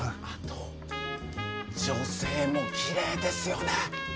あと女性もきれいですよね。